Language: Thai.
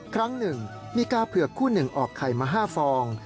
ครั้งหนึ่งมีกาเผือกคู่หนึ่งออกไข่มา๕ฟอง